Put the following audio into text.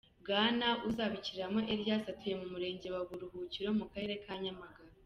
Bwana Uzabakiriho Elias atuye mu murenge wa Buruhukiro mu karere ka Nyamagabe.